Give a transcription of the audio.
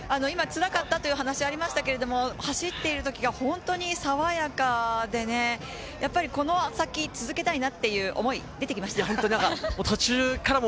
今、つらかったという話がありましたけれど、走ってるときが本当に爽やかで、この先、続けたいなっていう思いは出てきましたか？